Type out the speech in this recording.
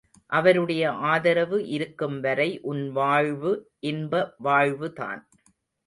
அவருடைய ஆதரவு இருக்கும் வரை உன் வாழ்வு இன்ப வாழ்வுதான்.